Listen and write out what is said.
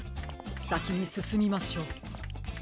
さきにすすみましょう。